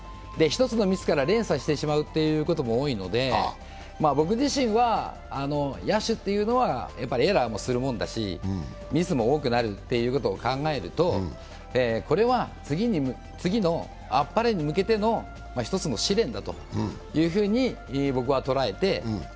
１つのミスから連鎖してしまうということも多いので、僕自身は、野手というのは、エラーもするもんだしミスも多くなるということを考えると、これは次のあっぱれ！に向けての一つの試練だというふうに僕はとらえて。